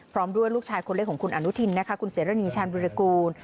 พร้อมด้วยลูกชายคนเลขของคุณอรุทินคุณเสรินนีชันบิรกูล